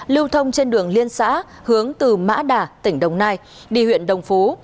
lưu thông trên đường liên xã hướng từ mã đà tỉnh đồng nai đi huyện đồng phú